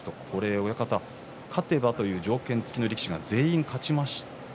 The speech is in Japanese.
勝てばという条件付きの力士が全員勝ちました。